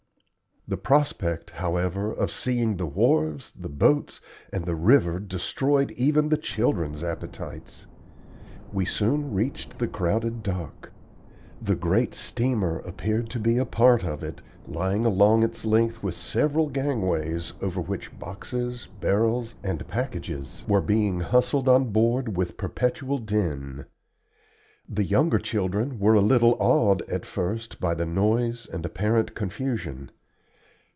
The prospect, however, of seeing the wharves, the boats, and the river destroyed even the children's appetites. We soon reached the crowded dock. The great steamer appeared to be a part of it, lying along its length with several gangways, over which boxes, barrels, and packages were being hustled on board with perpetual din. The younger children were a little awed at first by the noise and apparent confusion.